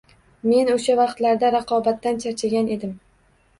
Men oʻsha vaqtlarda raqobatdan charchagan edim.